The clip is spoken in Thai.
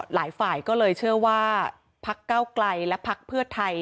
หลายฝ่ายก็เลยเชื่อว่าพักเก้าไกลและพักเพื่อไทย